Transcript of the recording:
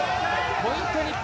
ポイント、日本。